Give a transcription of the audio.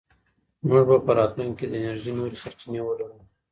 موږ به په راتلونکي کې د انرژۍ نورې سرچینې ولرو.